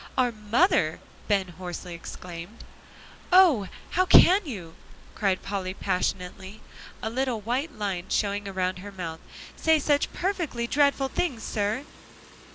"Our mother!" Ben hoarsely exclaimed. "Oh! how can you?" cried Polly passionately, a little white line showing around her mouth, "say such perfectly dreadful things, sir!"